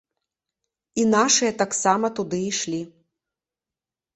І нашыя таксама туды ішлі.